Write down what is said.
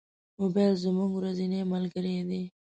موبایل زموږ ورځنی ملګری دی.